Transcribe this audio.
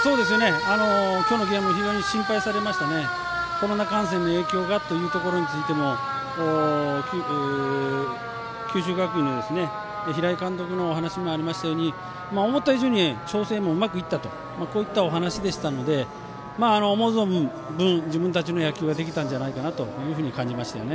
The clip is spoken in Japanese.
今日のゲーム非常に心配されましたコロナ感染の影響がというところについても九州学院の平井監督のお話にもありましたように思った以上に調整もうまくいったとこういったお話でしたので思う存分自分たちの野球ができたんじゃないかなというふうに感じました。